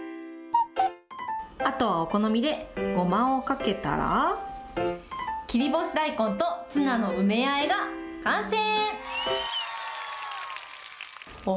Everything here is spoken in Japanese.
あとはお好みでゴマをかけたら、切り干し大根とツナの梅あえが完成。